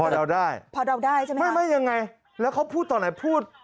อืมพอเดาได้ไม่ยังไงแล้วเขาพูดต่อไหน